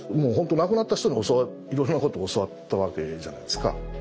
亡くなった人にいろんなこと教わったわけじゃないですか。